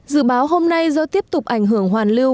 dự báo hôm nay do tiếp tục ảnh hưởng hoàn lưu